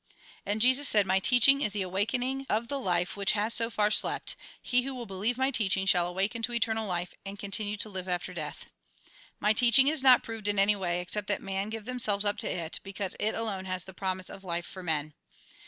And Jesus said :" My teaching is the awakening of the life which has so far slept ; he who will believe my teaching, shall awaken to eternal life, and continue to live after death. My teaching is not proved in any way, except that men give them selves up to it, because it alone has the promise of life for men.